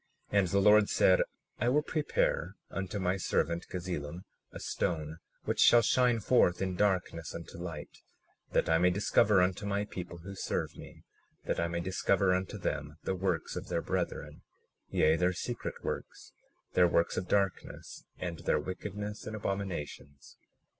37:23 And the Lord said: I will prepare unto my servant Gazelem, a stone, which shall shine forth in darkness unto light, that I may discover unto my people who serve me, that I may discover unto them the works of their brethren, yea, their secret works, their works of darkness, and their wickedness and abominations.